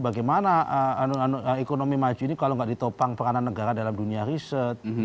bagaimana ekonomi maju ini kalau nggak ditopang peranan negara dalam dunia riset